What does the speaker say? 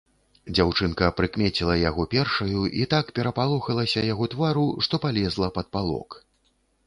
Дзяўчынка прыкмеціла яго першаю і так перапалохалася яго твару, што палезла пад палок.